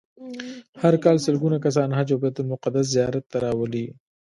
هر کال سلګونه کسان حج او بیت المقدس زیارت ته راولي.